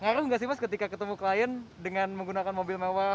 ngaruh nggak sih mas ketika ketemu klien dengan menggunakan mobil mewah